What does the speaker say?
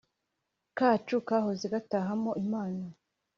kacu kahoze gatahamo imana.